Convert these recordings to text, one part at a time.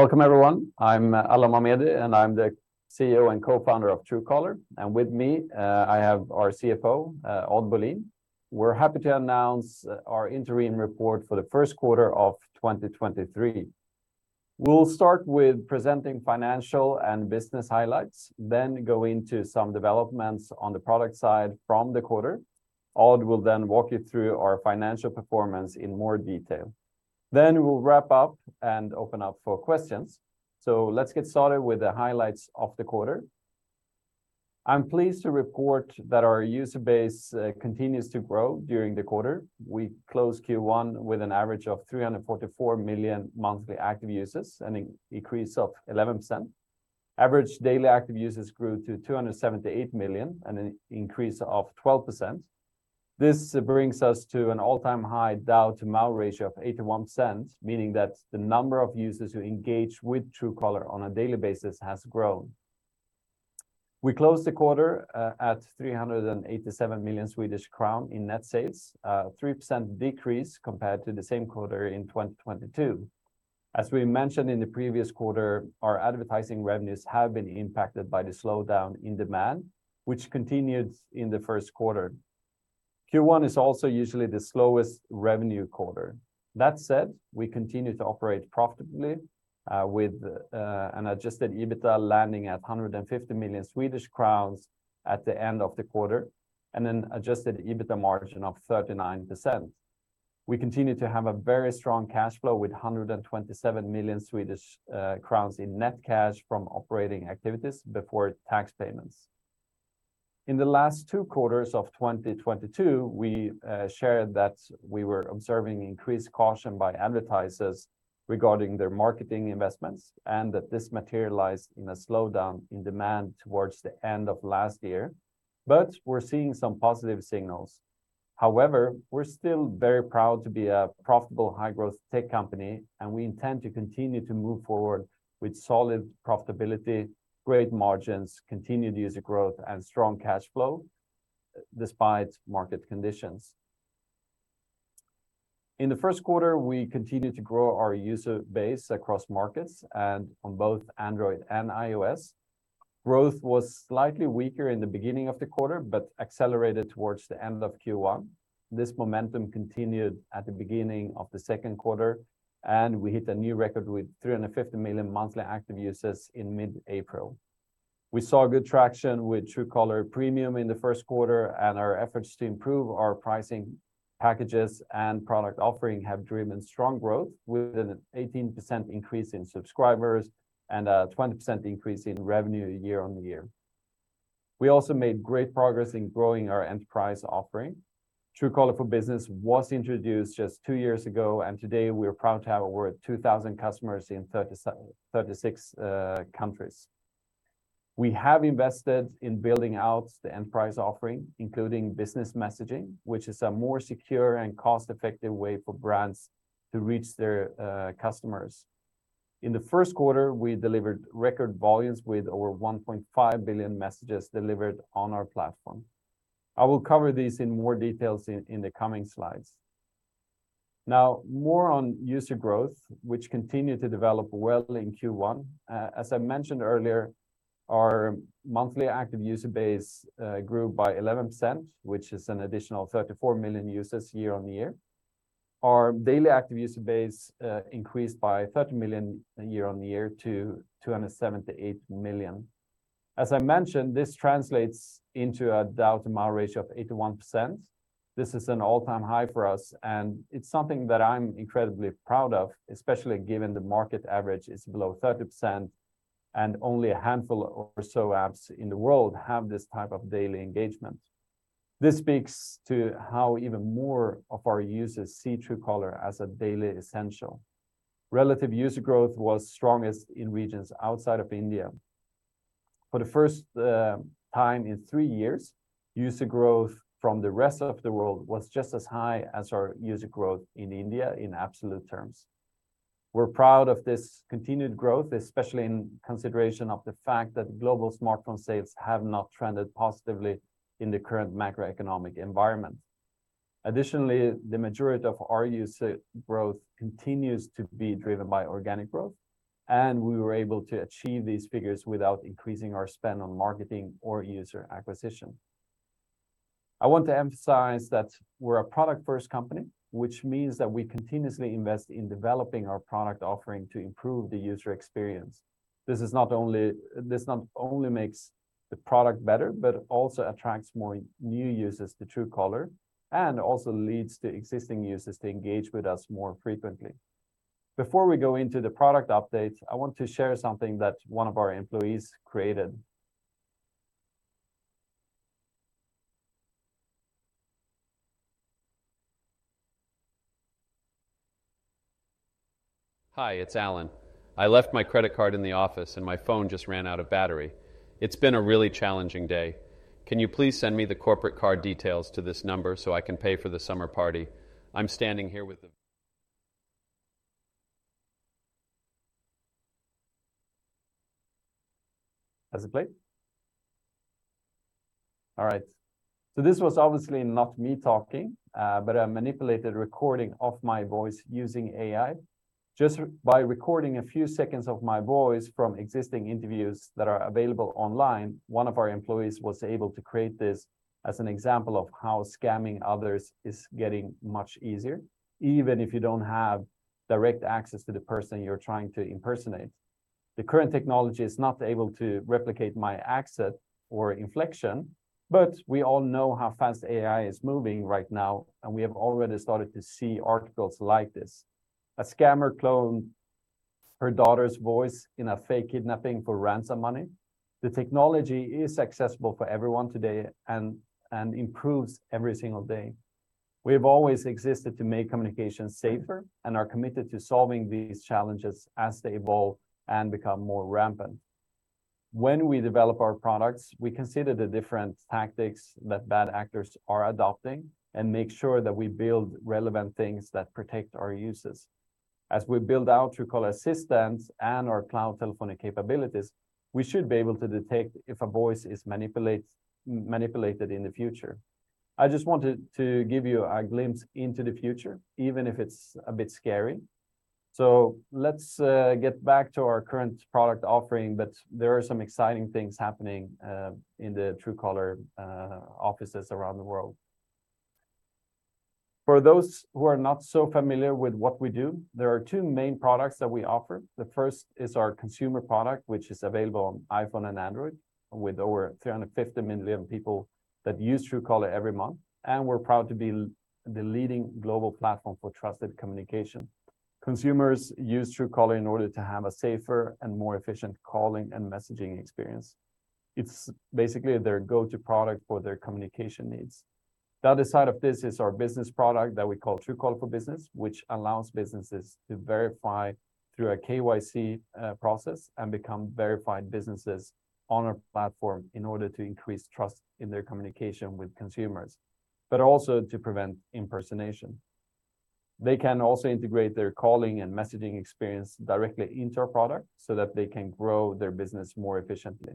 Welcome everyone. I'm Alan Mamedi, and I'm the CEO and co-founder of Truecaller. With me, I have our CFO, Odd Bolin. We're happy to announce our interim report for the Q1 of 2023. We'll start with presenting financial and business highlights, then go into some developments on the product side from the quarter. Odd will then walk you through our financial performance in more detail. We'll wrap up and open up for questions. Let's get started with the highlights of the quarter. I'm pleased to report that our user base continues to grow during the quarter. We closed Q1 with an average of 344 million monthly active users, an increase of 11%. Average daily active users grew to 278 million, an increase of 12%. This brings us to an all-time high DAU to MAU ratio of 81%, meaning that the number of users who engage with Truecaller on a daily basis has grown. We closed the quarter at 387 million Swedish crown in net sales, a 3% decrease compared to the same quarter in 2022. As we mentioned in the previous quarter, our advertising revenues have been impacted by the slowdown in demand, which continued in the Q1. Q1 is also usually the slowest revenue quarter. That said, we continue to operate profitably with an Adjusted EBITDA landing at 150 million Swedish crowns at the end of the quarter and an Adjusted EBITDA margin of 39%. We continue to have a very strong cash flow with 127 million Swedish crowns in net cash from operating activities before tax payments. In the last two quarters of 2022, we shared that we were observing increased caution by advertisers regarding their marketing investments and that this materialized in a slowdown in demand towards the end of last year. We're seeing some positive signals. However, we're still very proud to be a profitable high-growth tech company, and we intend to continue to move forward with solid profitability, great margins, continued user growth, and strong cash flow despite market conditions. In the Q1, we continued to grow our user base across markets and on both Android and iOS. Growth was slightly weaker in the beginning of the quarter, accelerated towards the end of Q1. This momentum continued at the beginning of the Q2, and we hit a new record with 350 million monthly active users in mid-April. We saw good traction with Truecaller Premium in the Q1, and our efforts to improve our pricing packages and product offering have driven strong growth with an 18% increase in subscribers and a 20% increase in revenue year-on-year. We also made great progress in growing our enterprise offering. Truecaller for Business was introduced just 2 years ago, and today we are proud to have over 2,000 customers in 36 countries. We have invested in building out the enterprise offering, including business messaging, which is a more secure and cost-effective way for brands to reach their customers. In the Q1, we delivered record volumes with over 1.5 billion messages delivered on our platform. I will cover this in more details in the coming slides. More on user growth, which continued to develop well in Q1. As I mentioned earlier, our monthly active user base grew by 11%, which is an additional 34 million users year-over-year. Our daily active user base increased by 30 million year-over-year to 278 million. As I mentioned, this translates into a DAU to MAU ratio of 81%. This is an all-time high for us, and it's something that I'm incredibly proud of, especially given the market average is below 30% and only a handful or so apps in the world have this type of daily engagement. This speaks to how even more of our users see Truecaller as a daily essential. Relative user growth was strongest in regions outside of India. For the first time in 3 years, user growth from the rest of the world was just as high as our user growth in India in absolute terms. We're proud of this continued growth, especially in consideration of the fact that global smartphone sales have not trended positively in the current macroeconomic environment. Additionally, the majority of our user growth continues to be driven by organic growth, and we were able to achieve these figures without increasing our spend on marketing or user acquisition. I want to emphasize that we're a product-first company, which means that we continuously invest in developing our product offering to improve the user experience. This not only makes the product better, but also attracts more new users to Truecaller and also leads to existing users to engage with us more frequently. Before we go into the product updates, I want to share something that one of our employees created. Hi, it's Alan. I left my credit card in the office, and my phone just ran out of battery. It's been a really challenging day. Can you please send me the corporate card details to this number, so I can pay for the summer party? I'm standing here with the... Has it played? All right. This was obviously not me talking, but a manipulated recording of my voice using AI. Just by recording a few seconds of my voice from existing interviews that are available online, one of our employees was able to create this as an example of how scamming others is getting much easier, even if you don't have direct access to the person you're trying to impersonate. The current technology is not able to replicate my accent or inflection, but we all know how fast AI is moving right now, and we have already started to see articles like this. A scammer cloned her daughter's voice in a fake kidnapping for ransom money. The technology is accessible for everyone today and improves every single day. We have always existed to make communication safer and are committed to solving these challenges as they evolve and become more rampant. When we develop our products, we consider the different tactics that bad actors are adopting and make sure that we build relevant things that protect our users. As we build our Truecaller Assistant and our cloud telephony capabilities, we should be able to detect if a voice is manipulated in the future. I just wanted to give you a glimpse into the future, even if it's a bit scary. Let's get back to our current product offering, but there are some exciting things happening in the Truecaller offices around the world. For those who are not so familiar with what we do, there are two main products that we offer. The first is our consumer product, which is available on iPhone and Android with over 350 million people that use Truecaller every month, and we're proud to be the leading global platform for trusted communication. Consumers use Truecaller in order to have a safer and more efficient calling and messaging experience. It's basically their go-to product for their communication needs. The other side of this is our business product that we call Truecaller for Business, which allows businesses to verify through a KYC process and become verified businesses on our platform in order to increase trust in their communication with consumers, but also to prevent impersonation. They can also integrate their calling and messaging experience directly into our product, so that they can grow their business more efficiently.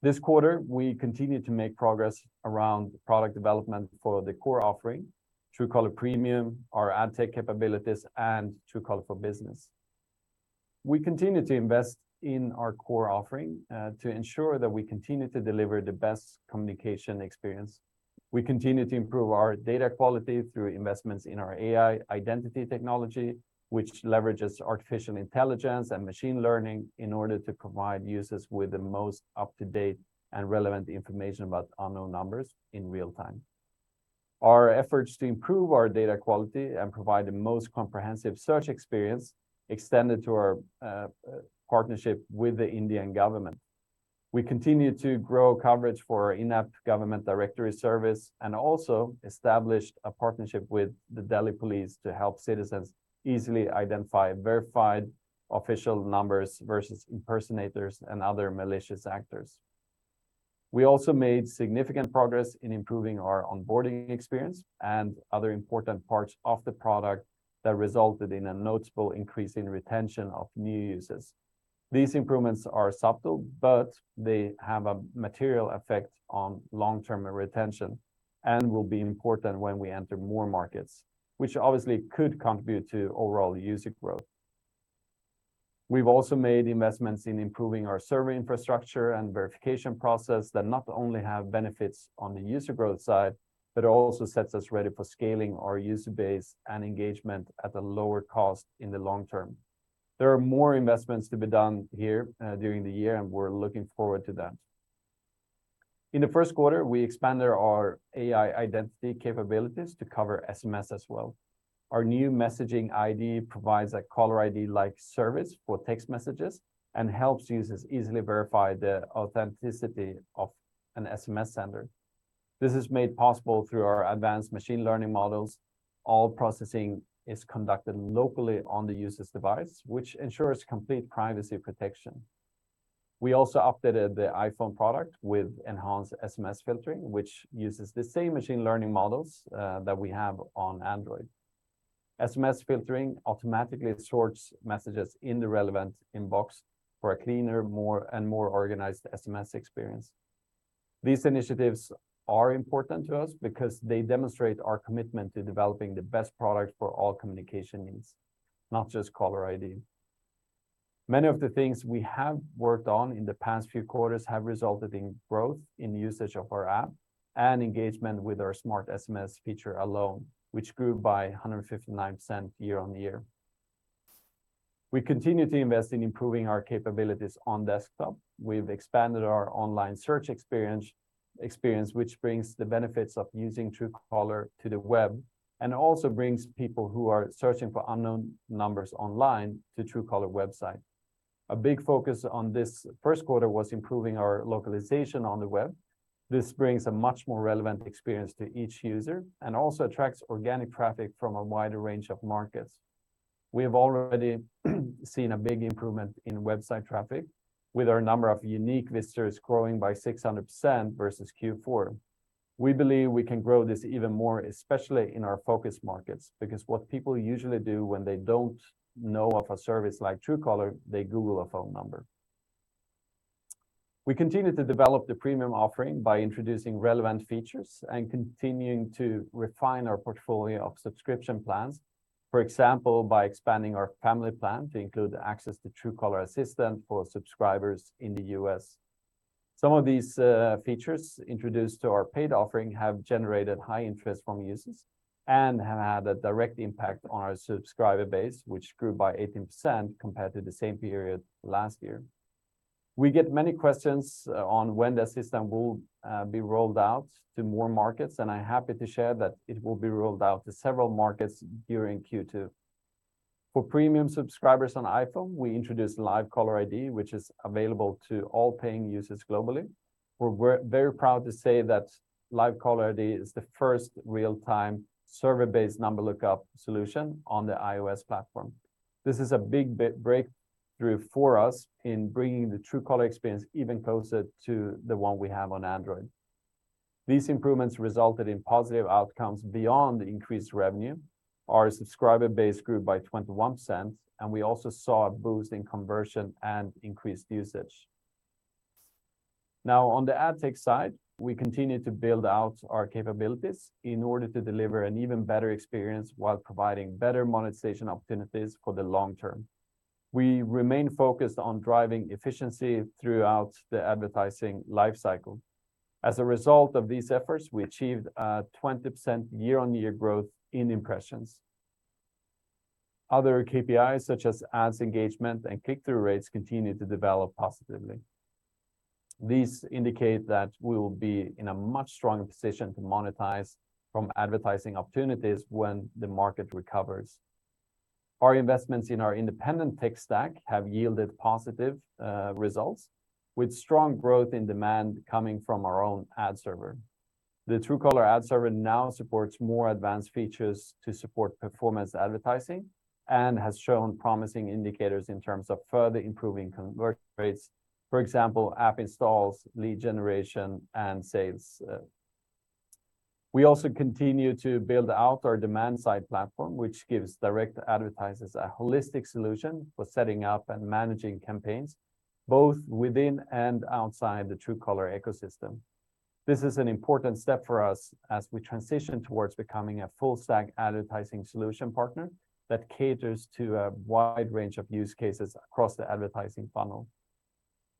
This quarter, we continued to make progress around product development for the core offering, Truecaller Premium, our ad tech capabilities, and Truecaller for Business. We continue to invest in our core offering to ensure that we continue to deliver the best communication experience. We continue to improve our data quality through investments in our AI identity technology, which leverages artificial intelligence and machine learning in order to provide users with the most up-to-date and relevant information about unknown numbers in real time. Our efforts to improve our data quality and provide the most comprehensive search experience extended to our partnership with the Indian government. We continue to grow coverage for in-app government directory service and also established a partnership with the Delhi Police to help citizens easily identify verified official numbers versus impersonators and other malicious actors. We also made significant progress in improving our onboarding experience and other important parts of the product that resulted in a notable increase in retention of new users. These improvements are subtle, but they have a material effect on long-term retention and will be important when we enter more markets, which obviously could contribute to overall user growth. We've also made investments in improving our server infrastructure and verification process that not only have benefits on the user growth side, but also sets us ready for scaling our user base and engagement at a lower cost in the long term. There are more investments to be done here during the year. We're looking forward to that. In the Q1, we expanded our AI identity capabilities to cover SMS as well. Our new Message ID provides a caller ID-like service for text messages and helps users easily verify the authenticity of an SMS sender. This is made possible through our advanced machine learning models. All processing is conducted locally on the user's device, which ensures complete privacy protection. We also updated the iPhone product with enhanced SMS filtering, which uses the same machine learning models that we have on Android. SMS filtering automatically sorts messages in the relevant inbox for a cleaner, more, and more organized SMS experience. These initiatives are important to us because they demonstrate our commitment to developing the best product for all communication needs, not just caller ID. Many of the things we have worked on in the past few quarters have resulted in growth in usage of our app and engagement with our smart SMS feature alone, which grew by 159% year-on-year. We continue to invest in improving our capabilities on desktop. We've expanded our online search experience, which brings the benefits of using Truecaller to the web and also brings people who are searching for unknown numbers online to Truecaller website. A big focus on this Q1 was improving our localization on the web. This brings a much more relevant experience to each user and also attracts organic traffic from a wider range of markets. We have already seen a big improvement in website traffic with our number of unique visitors growing by 600% versus Q4. We believe we can grow this even more, especially in our focus markets, because what people usually do when they don't know of a service like Truecaller, they Google a phone number. We continue to develop the premium offering by introducing relevant features and continuing to refine our portfolio of subscription plans. For example, by expanding our family plan to include access to Truecaller Assistant for subscribers in the U.S. Some of these features introduced to our paid offering have generated high interest from users and have had a direct impact on our subscriber base, which grew by 18% compared to the same period last year. We get many questions on when the Assistant will be rolled out to more markets. I'm happy to share that it will be rolled out to several markets during Q2. For Premium subscribers on iPhone, we introduced Live Caller ID, which is available to all paying users globally. We're very proud to say that Live Caller ID is the first real-time server-based number lookup solution on the iOS platform. This is a big breakthrough for us in bringing the Truecaller experience even closer to the one we have on Android. These improvements resulted in positive outcomes beyond increased revenue. Our subscriber base grew by 21%, and we also saw a boost in conversion and increased usage. On the ad tech side, we continue to build out our capabilities in order to deliver an even better experience while providing better monetization opportunities for the long term. We remain focused on driving efficiency throughout the advertising life cycle. As a result of these efforts, we achieved a 20% year-on-year growth in impressions. Other KPIs, such as ads engagement and click-through rates, continue to develop positively. These indicate that we will be in a much stronger position to monetize from advertising opportunities when the market recovers. Our investments in our independent tech stack have yielded positive results, with strong growth in demand coming from our own ad server. The Truecaller ad server now supports more advanced features to support performance advertising and has shown promising indicators in terms of further improving conversion rates. For example, app installs, lead generation, and sales. We also continue to build out our demand-side platform, which gives direct advertisers a holistic solution for setting up and managing campaigns both within and outside the Truecaller ecosystem. This is an important step for us as we transition towards becoming a full-stack advertising solution partner that caters to a wide range of use cases across the advertising funnel.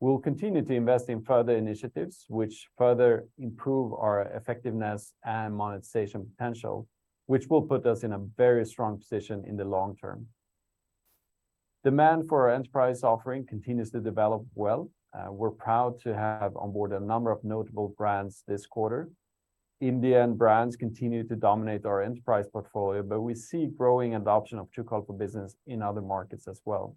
We'll continue to invest in further initiatives which further improve our effectiveness and monetization potential, which will put us in a very strong position in the long term. Demand for our enterprise offering continues to develop well. We're proud to have on board a number of notable brands this quarter. Indian brands continue to dominate our enterprise portfolio, but we see growing adoption of Truecaller for Business in other markets as well.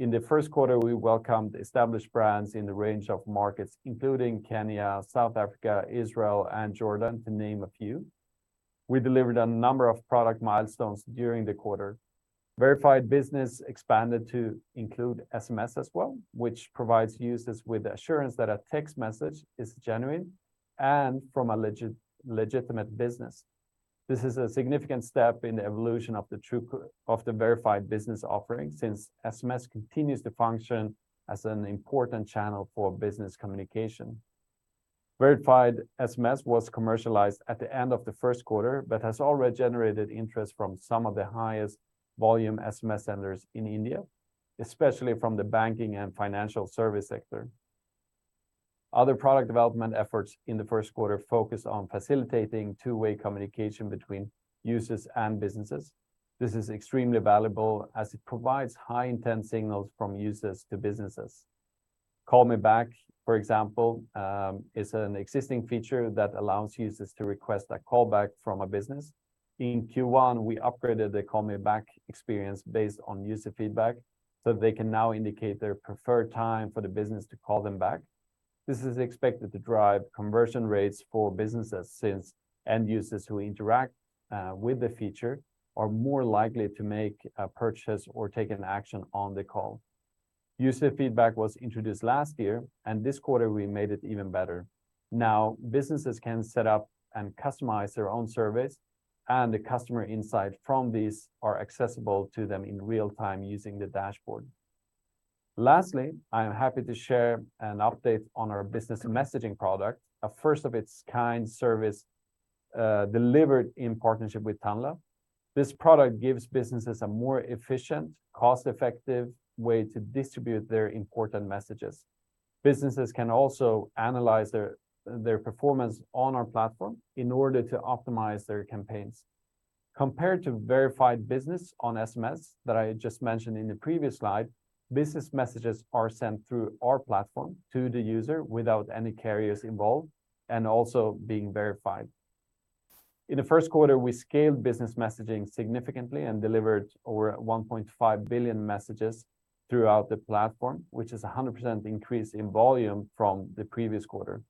In the Q1, we welcomed established brands in a range of markets, including Kenya, South Africa, Israel, and Jordan, to name a few. We delivered a number of product milestones during the quarter. Verified Business expanded to include SMS as well, which provides users with assurance that a text message is genuine and from a legitimate business. This is a significant step in the evolution of the Verified Business offering, since SMS continues to function as an important channel for business communication. Verified SMS was commercialized at the end of the Q1 has already generated interest from some of the highest volume SMS senders in India, especially from the banking and financial service sector. Other product development efforts in the Q1 focused on facilitating two-way communication between users and businesses. This is extremely valuable as it provides high intent signals from users to businesses. Call Me Back, for example, is an existing feature that allows users to request a call back from a business. In Q1, we upgraded the Call Me Back experience based on user feedback, so they can now indicate their preferred time for the business to call them back. This is expected to drive conversion rates for businesses, since end users who interact with the feature are more likely to make a purchase or take an action on the call. User feedback was introduced last year. This quarter we made it even better. Now, businesses can set up and customize their own surveys. The customer insight from these are accessible to them in real time using the dashboard. Lastly, I am happy to share an update on our business messaging product, a first-of-its-kind service, delivered in partnership with Tanla. This product gives businesses a more efficient, cost-effective way to distribute their important messages. Businesses can also analyze their performance on our platform in order to optimize their campaigns. Compared to Verified Business on SMS that I just mentioned in the previous slide, business messages are sent through our platform to the user without any carriers involved and also being verified. In the Q1, we scaled business messaging significantly and delivered over 1.5 billion messages throughout the platform, which is a 100% increase in volume from the previous quarter.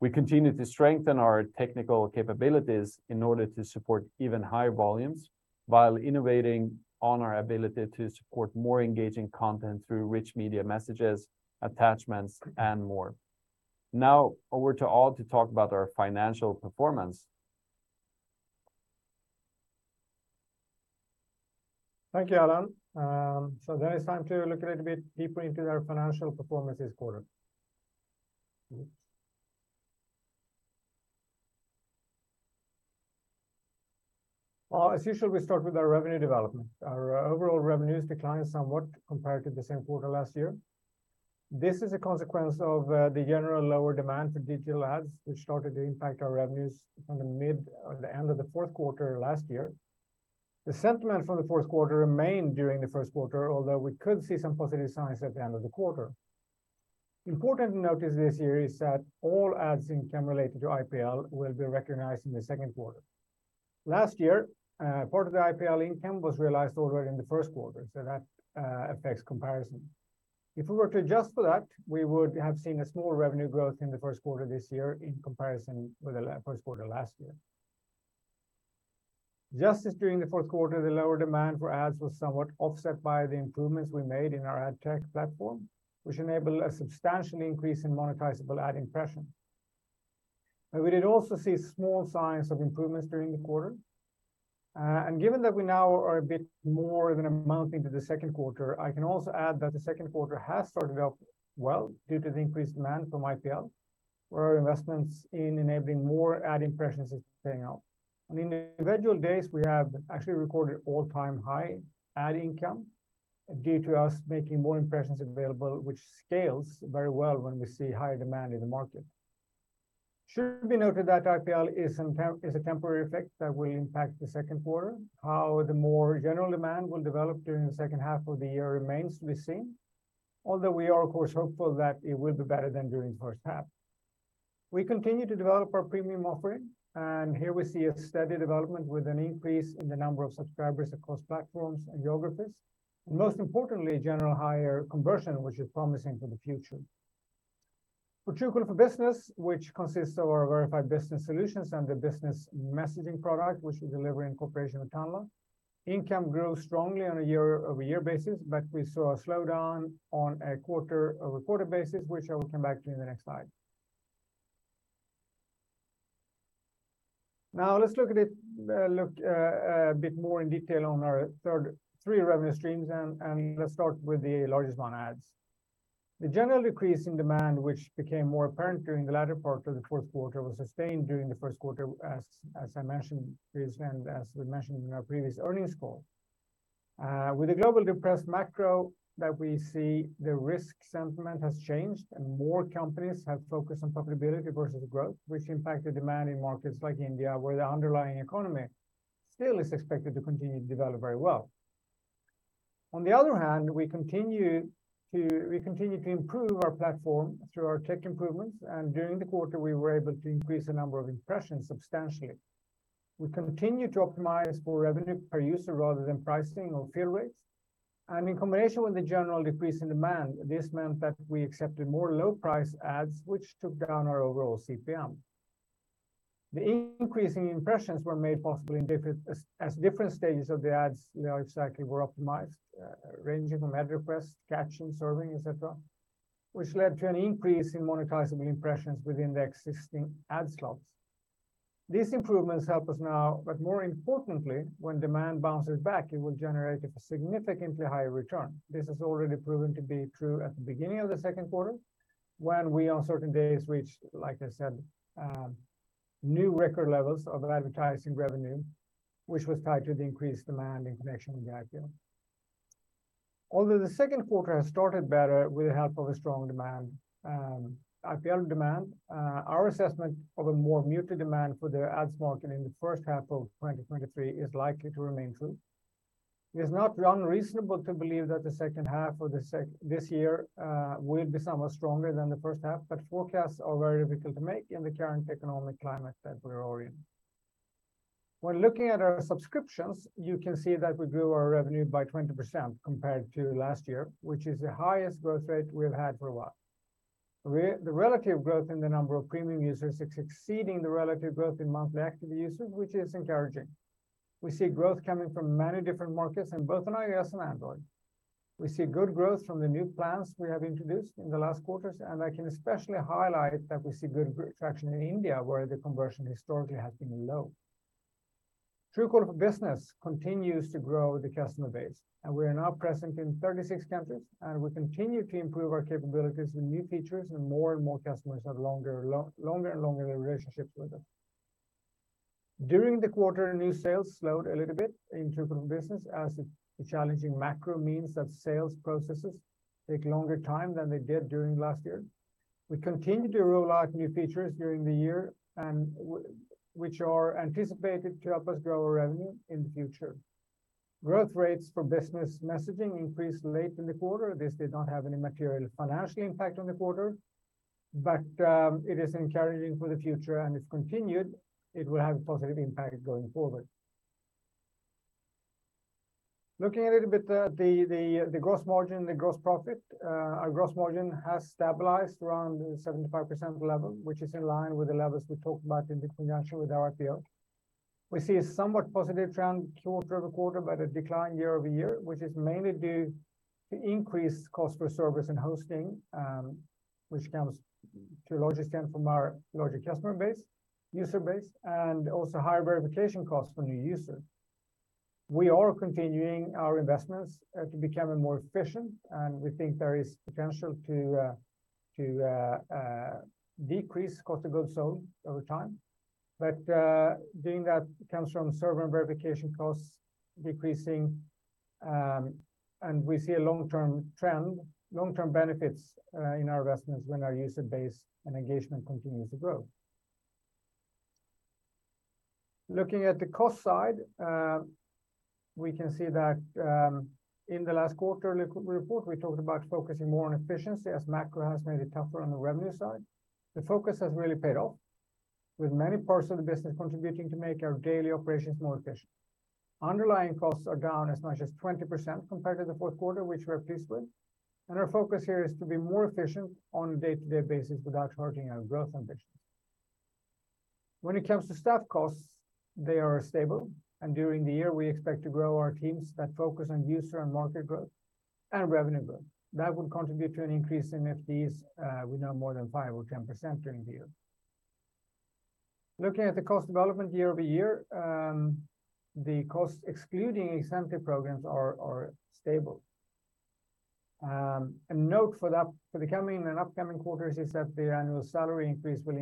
We continue to strengthen our technical capabilities in order to support even higher volumes while innovating on our ability to support more engaging content through rich media messages, attachments, and more. Now over to Odd Bolin to talk about our financial performance. Thank you, Alan. It's time to look a little bit deeper into our financial performance this quarter. As usual, we start with our revenue development. Our overall revenues declined somewhat compared to the same quarter last year. This is a consequence of the general lower demand for digital ads, which started to impact our revenues from the mid or the end of the Q4 last year. The sentiment from the Q4 remained during the Q1, although we could see some positive signs at the end of the quarter. Important to note this year is that all ads income related to IPL will be recognized in the Q2. Last year, part of the IPL income was realized already in the Q1, so that affects comparison. If we were to adjust for that, we would have seen a small revenue growth in the Q1 this year in comparison with the Q1 last year. Just as during the Q4, the lower demand for ads was somewhat offset by the improvements we made in our ad tech platform, which enabled a substantial increase in monetizable ad impression. We did also see small signs of improvements during the quarter. Given that we now are a bit more of an amount into the Q2, I can also add that the Q2 has started off well due to the increased demand from IPL, where our investments in enabling more ad impressions is paying off. I mean, the individual days we have actually recorded all-time high ad income due to us making more impressions available, which scales very well when we see higher demand in the market. Should be noted that IPL is a temporary effect that will impact the Q2. How the more general demand will develop during the second half of the year remains to be seen. We are, of course, hopeful that it will be better than during the first half. We continue to develop our premium offering, and here we see a steady development with an increase in the number of subscribers across platforms and geographies, and most importantly, general higher conversion, which is promising for the future. For Truecaller for Business, which consists of our verified business solutions and the business messaging product, which we deliver in cooperation with Tanla, income grew strongly on a year-over-year basis. We saw a slowdown on a quarter-over-quarter basis, which I will come back to in the next slide. Now let's look at it a bit more in detail on our three revenue streams. Let's start with the largest one, ads. The general decrease in demand, which became more apparent during the latter part of the Q4, was sustained during the Q1, as I mentioned previously and as we mentioned in our previous earnings call. With the global depressed macro that we see, the risk sentiment has changed, and more companies have focused on profitability versus growth, which impacted demand in markets like India, where the underlying economy still is expected to continue to develop very well. On the other hand, we continue to improve our platform through our tech improvements, and during the quarter, we were able to increase the number of impressions substantially. We continue to optimize for revenue per user rather than pricing or fill rates. In combination with the general decrease in demand, this meant that we accepted more low-priced ads, which took down our overall CPM. The increase in impressions were made possible as different stages of the ads, you know, exactly were optimized, ranging from ad request, caching, serving, et cetera, which led to an increase in monetizable impressions within the existing ad slots. These improvements help us now, more importantly, when demand bounces back, it will generate a significantly higher return. This has already proven to be true at the beginning of the Q2 when we on certain days reached, like I said, new record levels of advertising revenue, which was tied to the increased demand in connection with the IPL. The Q2 has started better with the help of a strong demand, IPL demand, our assessment of a more muted demand for the ads market in the first half of 2023 is likely to remain true. It's not unreasonable to believe that the second half of this year will be somewhat stronger than the first half, but forecasts are very difficult to make in the current economic climate that we are all in. When looking at our subscriptions, you can see that we grew our revenue by 20% compared to last year, which is the highest growth rate we've had for a while. The relative growth in the number of premium users is exceeding the relative growth in monthly active users, which is encouraging. We see growth coming from many different markets in both on iOS and Android. We see good growth from the new plans we have introduced in the last quarters, and I can especially highlight that we see good traction in India, where the conversion historically has been low. Truecaller for Business continues to grow the customer base. We are now present in 36 countries. We continue to improve our capabilities with new features. More and more customers have longer and longer relationships with them. During the quarter, new sales slowed a little bit in Truecaller Business as the challenging macro means that sales processes take longer time than they did during last year. We continue to roll out new features during the year which are anticipated to help us grow our revenue in the future. Growth rates for business messaging increased late in the quarter. This did not have any material financial impact on the quarter. It is encouraging for the future. It will have a positive impact going forward. Looking a little bit at the gross margin, the gross profit, our gross margin has stabilized around the 75% level, which is in line with the levels we talked about in conjunction with our IPO. We see a somewhat positive trend quarter-over-quarter, but a decline year-over-year, which is mainly due the increased cost for service and hosting, which comes to a large extent from our larger customer base, user base, and also higher verification costs for new users. We are continuing our investments to become more efficient, and we think there is potential to decrease cost of goods sold over time. Doing that comes from server and verification costs decreasing, and we see a long-term trend, long-term benefits in our investments when our user base and engagement continues to grow. Looking at the cost side, we can see that in the last quarterly report, we talked about focusing more on efficiency as macro has made it tougher on the revenue side. The focus has really paid off, with many parts of the business contributing to make our daily operations more efficient. Underlying costs are down as much as 20% compared to the Q4, which we're pleased with, and our focus here is to be more efficient on a day-to-day basis without hurting our growth ambitions. When it comes to staff costs, they are stable, and during the year, we expect to grow our teams that focus on user and market growth and revenue growth. That will contribute to an increase in FTEs, we now more than 5% or 10% during the year. Looking at the cost development year-over-year, the costs excluding incentive programs are stable. A note for the coming and upcoming quarters is that the annual salary increase will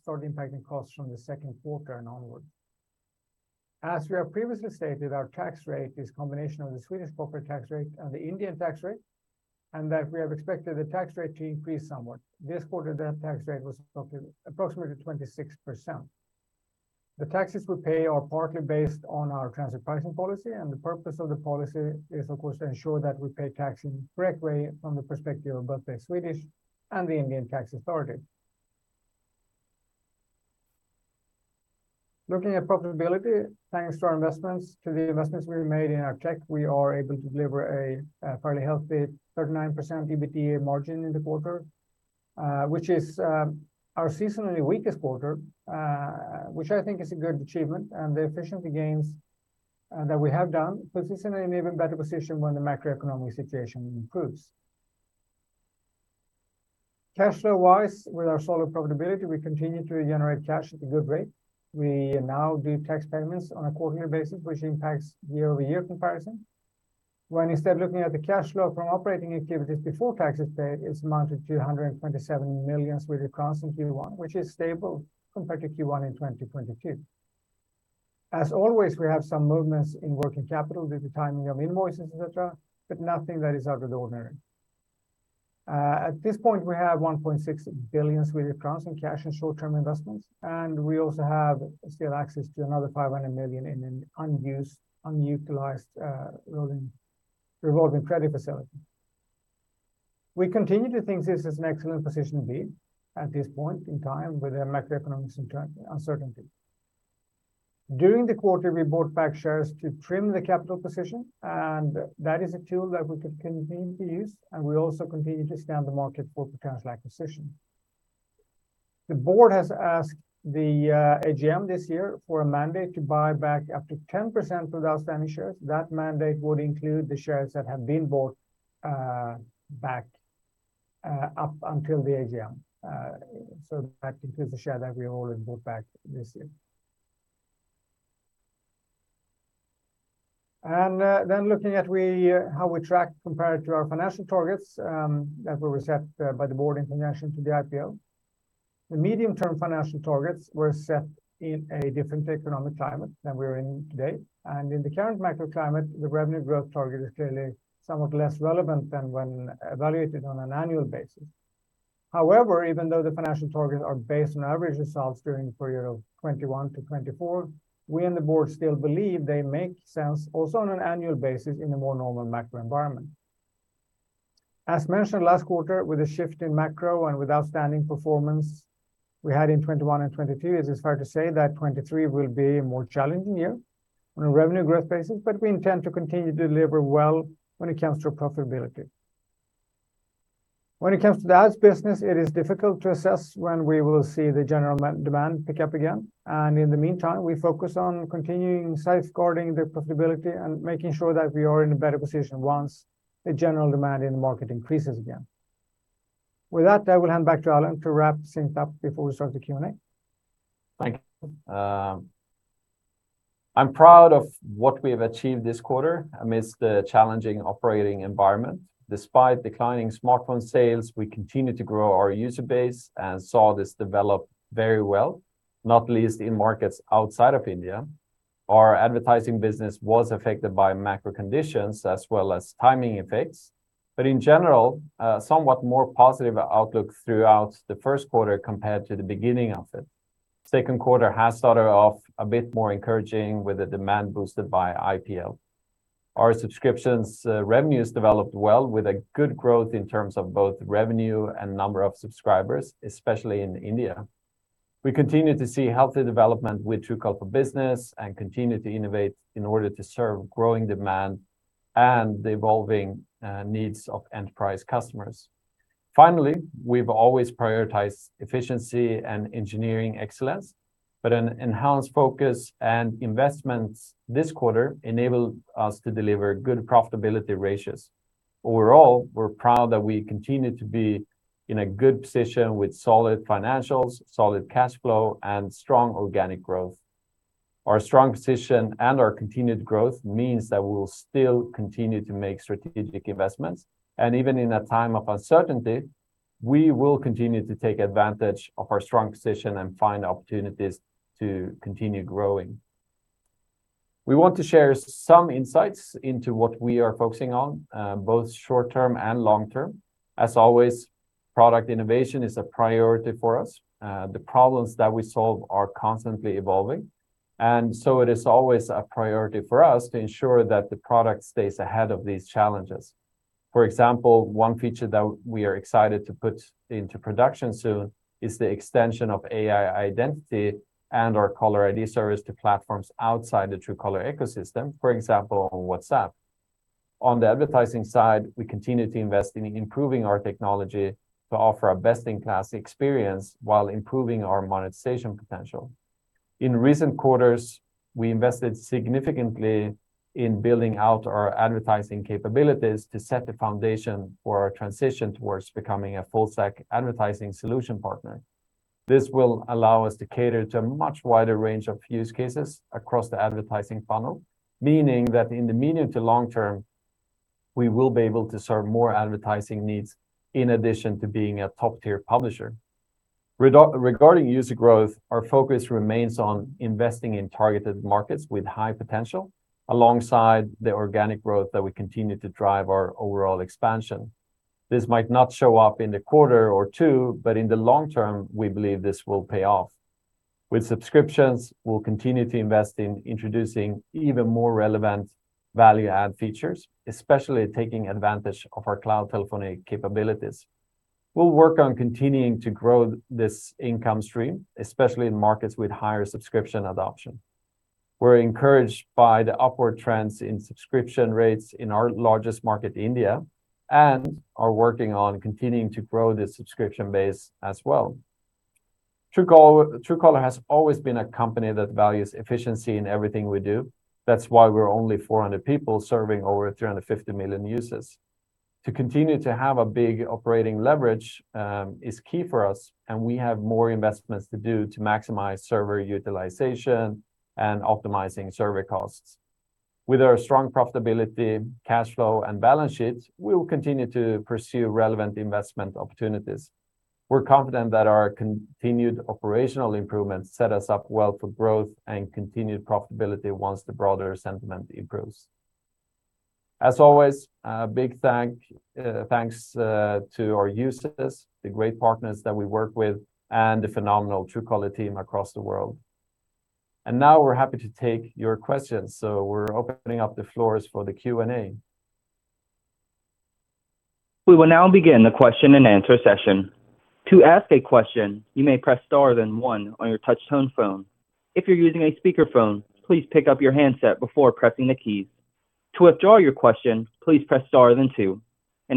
start impacting costs from the Q2 and onward. As we have previously stated, our tax rate is a combination of the Swedish corporate tax rate and the Indian tax rate, that we have expected the tax rate to increase somewhat. This quarter, that tax rate was approximately 26%. The taxes we pay are partly based on our transfer pricing policy. The purpose of the policy is of course to ensure that we pay tax in the correct way from the perspective of both the Swedish and the Indian tax authority. Looking at profitability, thanks to our investments, to the investments we made in our tech, we are able to deliver a fairly healthy 39% EBITDA margin in the quarter, which is our seasonally weakest quarter, which I think is a good achievement. The efficiency gains that we have done puts us in an even better position when the macroeconomic situation improves. Cash flow-wise, with our solid profitability, we continue to generate cash at a good rate. We now do tax payments on a quarterly basis, which impacts year-over-year comparison. When instead looking at the cash flow from operating activities before taxes paid, it's amounted to 127 million Swedish crowns in Q1, which is stable compared to Q1 in 2022. As always, we have some movements in working capital due to timing of invoices, et cetera, but nothing that is out of the ordinary. At this point, we have 1.6 billion Swedish crowns in cash and short-term investments. We also have still access to another 500 million in an unused, unutilized revolving credit facility. We continue to think this is an excellent position to be at this point in time with the macroeconomic uncertainty. During the quarter, we bought back shares to trim the capital position. That is a tool that we can continue to use. We also continue to scan the market for potential acquisition. The board has asked the AGM this year for a mandate to buy back up to 10% of the outstanding shares. That mandate would include the shares that have been bought back up until the AGM. That includes the share that we already bought back this year. Then looking at we, how we track compared to our financial targets, that were set by the board in connection to the IPO. The medium-term financial targets were set in a different economic climate than we're in today. In the current macro climate, the revenue growth target is clearly somewhat less relevant than when evaluated on an annual basis. Even though the financial targets are based on average results during the period of 21 to 24, we and the board still believe they make sense also on an annual basis in a more normal macro environment. As mentioned last quarter, with a shift in macro and with outstanding performance we had in 21 and 22, it is fair to say that 23 will be a more challenging year on a revenue growth basis, but we intend to continue to deliver well when it comes to profitability. When it comes to the ads business, it is difficult to assess when we will see the general de-demand pick up again. In the meantime, we focus on continuing safeguarding the profitability and making sure that we are in a better position once the general demand in the market increases again. With that, I will hand back to Alan to wrap things up before we start the Q&A. Thank you. I'm proud of what we have achieved this quarter amidst the challenging operating environment. Despite declining smartphone sales, we continued to grow our user base and saw this develop very well, not least in markets outside of India. Our advertising business was affected by macro conditions as well as timing effects, but in general, somewhat more positive outlook throughout the Q1 compared to the beginning of it. Q2 has started off a bit more encouraging with the demand boosted by IPL. Our subscriptions, revenues developed well with a good growth in terms of both revenue and number of subscribers, especially in India. We continue to see healthy development with Truecaller for Business and continue to innovate in order to serve growing demand and the evolving needs of enterprise customers. Finally, we've always prioritized efficiency and engineering excellence, but an enhanced focus and investments this quarter enabled us to deliver good profitability ratios. Overall, we're proud that we continue to be in a good position with solid financials, solid cash flow, and strong organic growth. Our strong position and our continued growth means that we'll still continue to make strategic investments, and even in a time of uncertainty, we will continue to take advantage of our strong position and find opportunities to continue growing. We want to share some insights into what we are focusing on, both short-term and long-term. As always, product innovation is a priority for us. The problems that we solve are constantly evolving. It is always a priority for us to ensure that the product stays ahead of these challenges. For example, one feature that we are excited to put into production soon is the extension of AI identity and our caller ID service to platforms outside the Truecaller ecosystem, for example, on WhatsApp. On the advertising side, we continue to invest in improving our technology to offer a best-in-class experience while improving our monetization potential. In recent quarters, we invested significantly in building out our advertising capabilities to set the foundation for our transition towards becoming a full-stack advertising solution partner. This will allow us to cater to a much wider range of use cases across the advertising funnel, meaning that in the medium to long term, we will be able to serve more advertising needs in addition to being a top-tier publisher. Regarding user growth, our focus remains on investing in targeted markets with high potential alongside the organic growth that we continue to drive our overall expansion. This might not show up in the quarter or 2, but in the long term, we believe this will pay off. With subscriptions, we'll continue to invest in introducing even more relevant value add features, especially taking advantage of our cloud telephony capabilities. We'll work on continuing to grow this income stream, especially in markets with higher subscription adoption. We're encouraged by the upward trends in subscription rates in our largest market, India, and are working on continuing to grow this subscription base as well. Truecaller has always been a company that values efficiency in everything we do. That's why we're only 400 people serving over 350 million users. To continue to have a big operating leverage is key for us, and we have more investments to do to maximize server utilization and optimizing server costs. With our strong profitability, cash flow, and balance sheets, we will continue to pursue relevant investment opportunities. We're confident that our continued operational improvements set us up well for growth and continued profitability once the broader sentiment improves. As always, a big thanks to our users, the great partners that we work with and the phenomenal Truecaller team across the world. Now we're happy to take your questions, so we're opening up the floors for the Q&A. We will now begin the question and answer session. To ask a question, you may press star then one on your touch tone phone. If you're using a speaker phone, please pick up your handset before pressing the keys. To withdraw your question, please press star then two.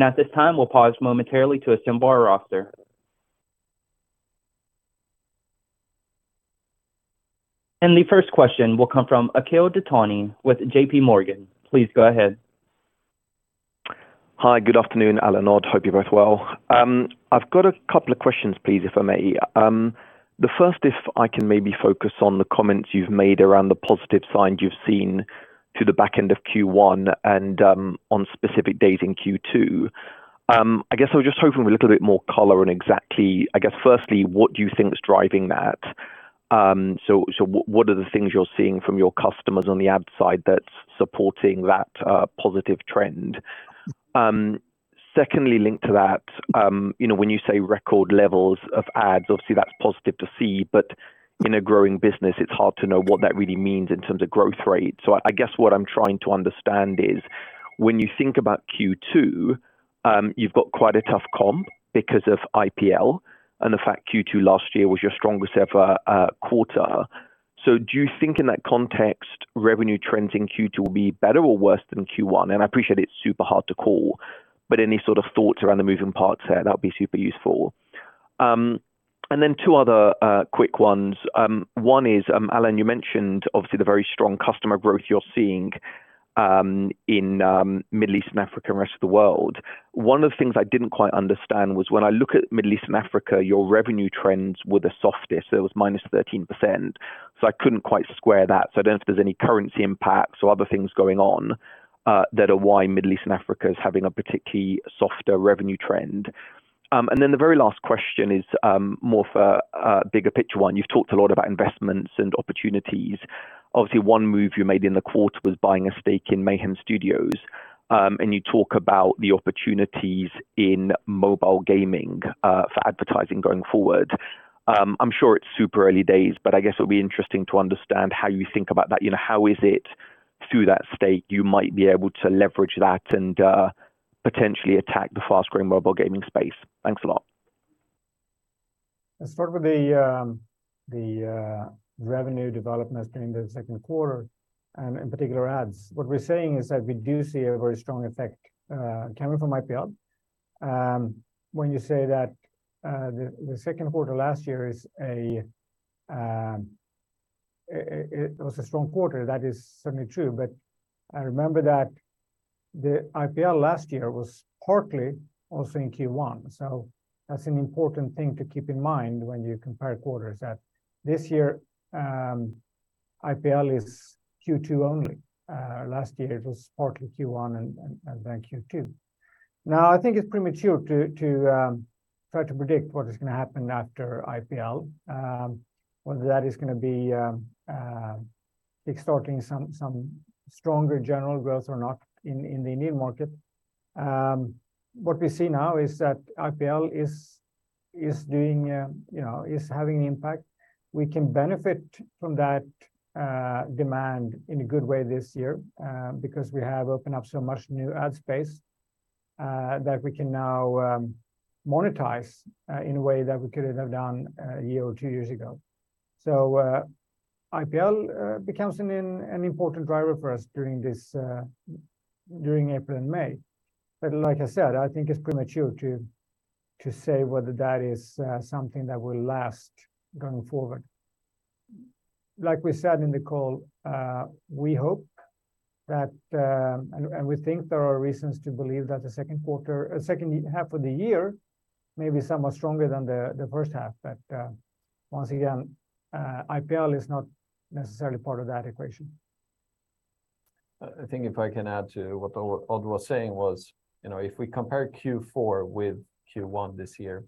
At this time, we'll pause momentarily to assemble our roster. The first question will come from Akhil Dattani with JPMorgan. Please go ahead. Hi. Good afternoon, Alan, Odd. Hope you're both well. I've got a couple of questions, please, if I may. The first, if I can maybe focus on the comments you've made around the positive signs you've seen to the back end of Q1 and on specific dates in Q2. I guess I was just hoping for a little bit more color on exactly, I guess, firstly, what you think is driving that. What are the things you're seeing from your customers on the ad side that's supporting that positive trend? Secondly, linked to that, you know, when you say record levels of ads, obviously that's positive to see, but in a growing business, it's hard to know what that really means in terms of growth rate. I guess what I'm trying to understand is when you think about Q2, you've got quite a tough comp because of IPL and the fact Q2 last year was your strongest ever quarter. Do you think in that context, revenue trends in Q2 will be better or worse than Q1? I appreciate it's super hard to call, but any sort of thoughts around the moving parts there, that would be super useful. Two other quick ones. One is, Alan, you mentioned obviously the very strong customer growth you're seeing in Middle East and Africa and rest of the world. One of the things I didn't quite understand was when I look at Middle East and Africa, your revenue trends were the softest. There was -13%, I couldn't quite square that. I don't know if there's any currency impacts or other things going on, that are why Middle East and Africa is having a particularly softer revenue trend. The very last question is more for a bigger picture one. You've talked a lot about investments and opportunities. Obviously, one move you made in the quarter was buying a stake in Mayhem Studios, and you talk about the opportunities in mobile gaming, for advertising going forward. I'm sure it's super early days, but I guess it'll be interesting to understand how you think about that. You know, how is it through that stake you might be able to leverage that and potentially attack the fast-growing mobile gaming space? Thanks. Let's start with the revenue development during the Q2, and in particular ads. What we're saying is that we do see a very strong effect coming from IPL. When you say that the Q2 last year is a strong quarter, that is certainly true. I remember that the IPL last year was partly also in Q1. That's an important thing to keep in mind when you compare quarters that this year, IPL is Q2 only. Last year it was partly Q1 and then Q2. I think it's premature to try to predict what is gonna happen after IPL. Whether that is gonna be extorting some stronger general growth or not in the Indian market. What we see now is that IPL is doing, you know, is having an impact. We can benefit from that demand in a good way this year because we have opened up so much new ad space that we can now monetize in a way that we couldn't have done 1 year or 2 years ago. IPL becomes an important driver for us during this during April and May. Like I said, I think it's premature to say whether that is something that will last going forward. Like we said in the call, we hope that and we think there are reasons to believe that the second half of the year may be somewhat stronger than the first half. Once again, IPL is not necessarily part of that equation. I think if I can add to what Odd was saying was, you know, if we compare Q4 with Q1 this year,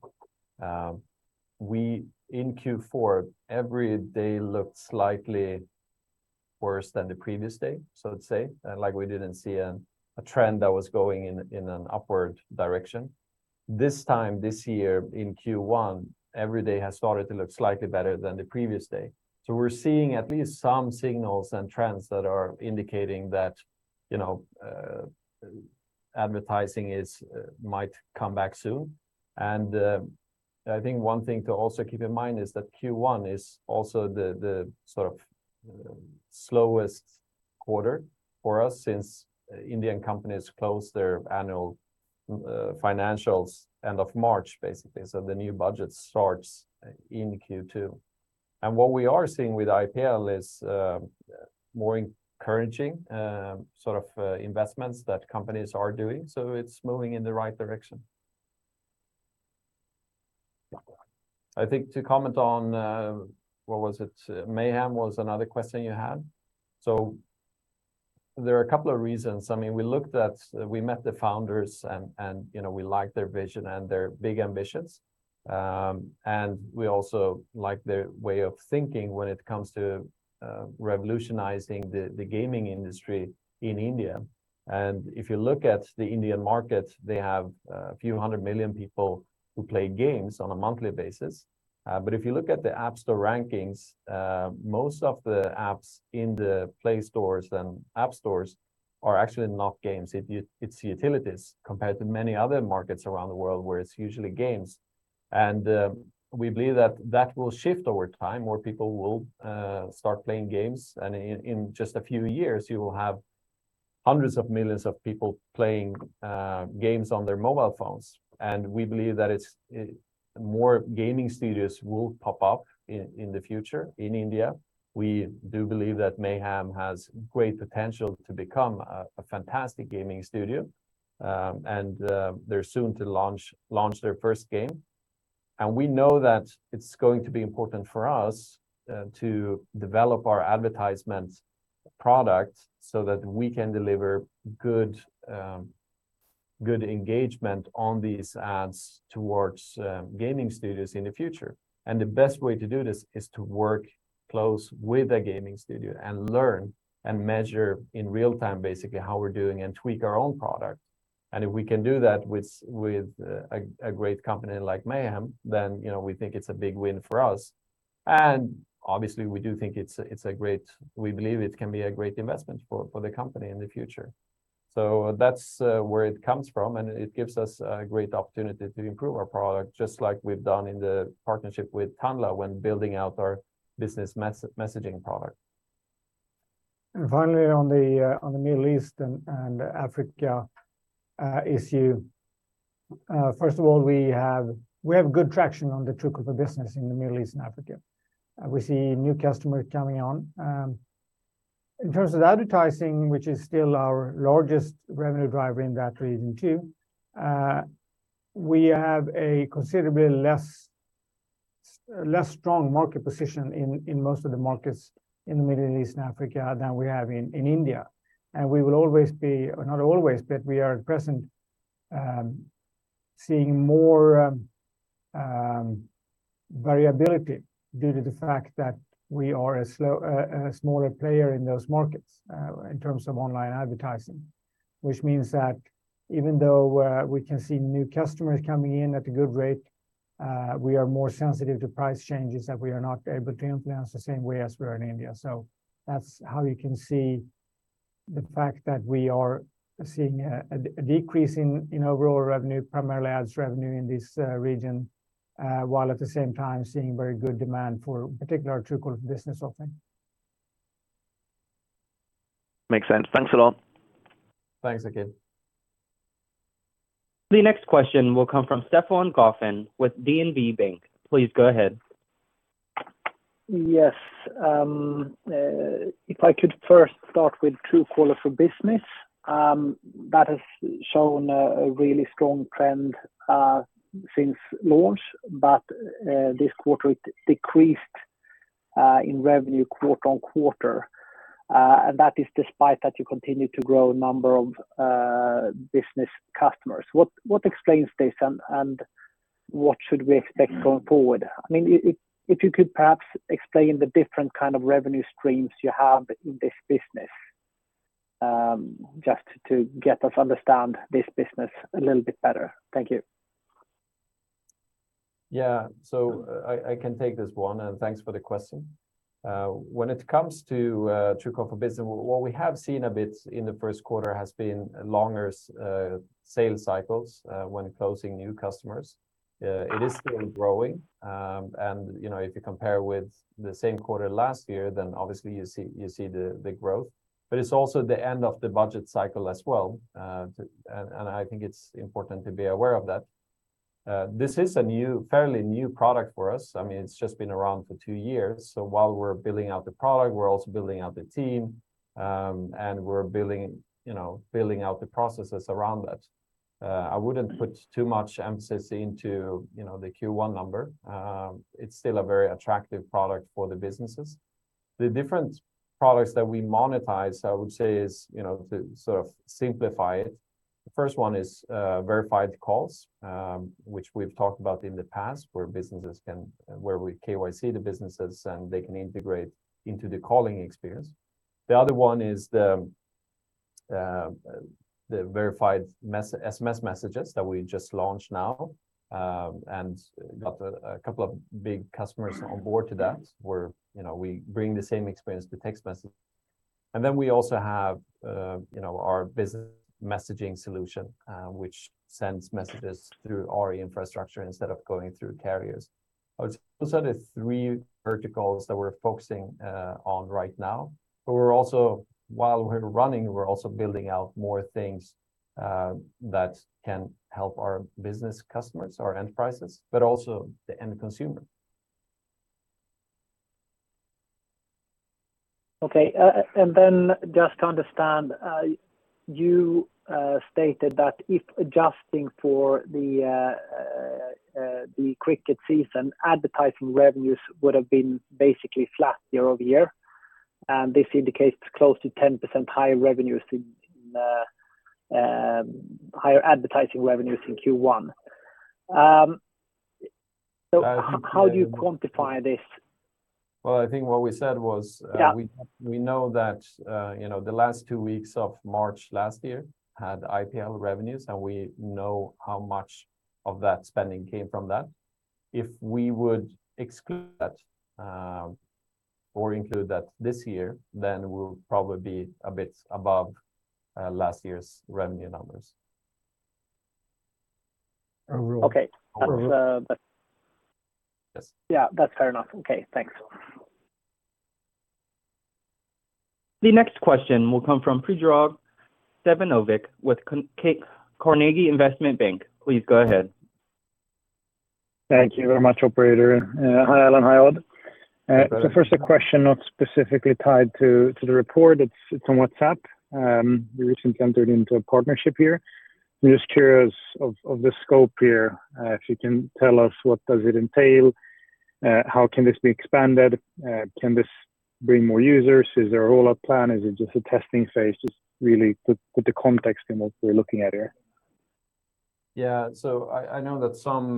in Q4, every day looked slightly worse than the previous day, so let's say. We didn't see a trend that was going in an upward direction. This time this year in Q1, every day has started to look slightly better than the previous day. We're seeing at least some signals and trends that are indicating that, you know, advertising is might come back soon. I think one thing to also keep in mind is that Q1 is also the sort of slowest quarter for us since Indian companies close their annual financials end of March, basically. The new budget starts in Q2. What we are seeing with IPL is more encouraging sort of investments that companies are doing, so it's moving in the right direction. I think to comment on what was it? Mayhem was another question you had. There are a couple of reasons. I mean, we met the founders and, you know, we liked their vision and their big ambitions. We also like their way of thinking when it comes to revolutionizing the gaming industry in India. If you look at the Indian market, they have a few 100 million people who play games on a monthly basis. If you look at the App Store rankings, most of the apps in the play stores and App Stores are actually not games. It's utilities compared to many other markets around the world where it's usually games. We believe that that will shift over time, more people will start playing games. In just a few years, you will have hundreds of millions of people playing games on their mobile phones. We believe that more gaming studios will pop up in the future in India. We do believe that Mayhem has great potential to become a fantastic gaming studio. They're soon to launch their first game. We know that it's going to be important for us to develop our advertisement product so that we can deliver good engagement on these ads towards gaming studios in the future. The best way to do this is to work close with a gaming studio and learn and measure in real time basically how we're doing and tweak our own product. If we can do that with a great company like Mayhem, then, you know, we think it's a big win for us. Obviously, we do think it's a great investment for the company in the future. That's where it comes from, and it gives us a great opportunity to improve our product, just like we've done in the partnership with Tanla when building out our business messaging product. Finally, on the Middle East and Africa issue, first of all, we have good traction on the Truecaller business in the Middle East and Africa. We see new customers coming on. In terms of advertising, which is still our largest revenue driver in that region too, we have a considerably less strong market position in most of the markets in the Middle East and Africa than we have in India. We will always be, or not always, but we are at present, seeing more variability due to the fact that we are a smaller player in those markets in terms of online advertising. Which means that even though, we can see new customers coming in at a good rate, we are more sensitive to price changes that we are not able to influence the same way as we are in India. That's how you can see. The fact that we are seeing a decrease in overall revenue, primarily ads revenue in this region, while at the same time seeing very good demand for particular Truecaller business offering. Makes sense. Thanks a lot. Thanks again. The next question will come from Stefan Wöhrmüller with DNB Bank. Please go ahead. If I could first start with Truecaller for Business, that has shown a really strong trend since launch, but this quarter it decreased in revenue quarter-on-quarter. That is despite that you continue to grow number of business customers. What explains this and what should we expect going forward? I mean, if you could perhaps explain the different kind of revenue streams you have in this business, just to get us understand this business a little bit better. Thank you. Yeah. I can take this one, and thanks for the question. When it comes to Truecaller for Business, what we have seen a bit in the Q1 has been longer sales cycles, when closing new customers. It is still growing. You know, if you compare with the same quarter last year, then obviously you see the growth. It's also the end of the budget cycle as well. I think it's important to be aware of that. This is a new, fairly new product for us. I mean, it's just been around for 2 years. While we're building out the product, we're also building out the team, and we're building, you know, building out the processes around that. I wouldn't put too much emphasis into, you know, the Q1 number. It's still a very attractive product for the businesses. The different products that we monetize, I would say, is, you know, to sort of simplify it. The first one is verified calls, which we've talked about in the past, where we KYC the businesses, and they can integrate into the calling experience. The other one is the Verified SMS messages that we just launched now, and got a couple of big customers on board to that where, you know, we bring the same experience to text message. Then we also have, you know, our business messaging solution, which sends messages through our infrastructure instead of going through carriers. I would say those are the 3 verticals that we're focusing on right now. We're also, while we're running, we're also building out more things, that can help our business customers, our enterprises, but also the end consumer. Okay. Just to understand, you stated that if adjusting for the cricket season, advertising revenues would have been basically flat year-over-year, and this indicates close to 10% higher revenues in higher advertising revenues in Q1. How do you quantify this? Well, I think what we said was- Yeah we know that, you know, the last two weeks of March last year had IPL revenues, and we know how much of that spending came from that. If we would exclude that, or include that this year, then we'll probably be a bit above, last year's revenue numbers. Okay. That's. Yes. Yeah. That's fair enough. Okay. Thanks. The next question will come from Predrag Savinović with Carnegie Investment Bank. Please go ahead. Thank you very much, operator. Hi, Alan. Hi, Odd. Hello. First a question not specifically tied to the report. It's, it's on WhatsApp. You recently entered into a partnership here. I'm just curious of the scope here. If you can tell us what does it entail, how can this be expanded, can this bring more users? Is there a roll-up plan? Is it just a testing phase? Just really put the context in what we're looking at here. I know that some